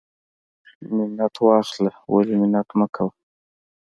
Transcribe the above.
منت واخله ولی منت مکوه.